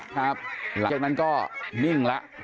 ครับหังแต่งนั้นก็นิ่งแล้ว